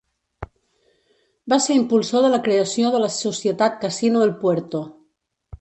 Va ser impulsor de la creació de la Societat Casino El Puerto.